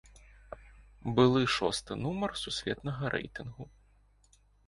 Былы шосты нумар сусветнага рэйтынгу.